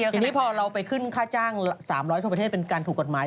ทีนี้พอเราไปขึ้นค่าจ้าง๓๐๐ทั่วประเทศเป็นการถูกกฎหมาย